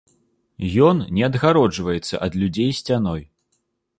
Ён не адгароджваецца ад людзей сцяной.